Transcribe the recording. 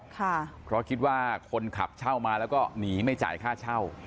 เพราะคิดว่าคนขับเช่ามาแล้วก็หนีไม่จ่ายค่าเช่า